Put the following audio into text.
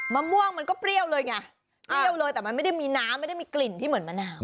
มะม่วงมันก็เปรี้ยวเลยไงเปรี้ยวเลยแต่มันไม่ได้มีน้ำไม่ได้มีกลิ่นที่เหมือนมะนาว